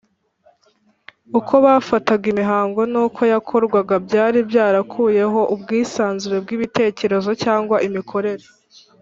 . Uko bafataga imihango n’uko yakorwaga byari byarakuyeho ubwisanzure bw’ibitekerezo cyangwa imikorere